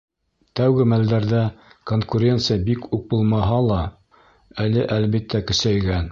Тәүге мәлдәрҙә конкуренция бик үк булмаһа, әле, әлбиттә, көсәйгән.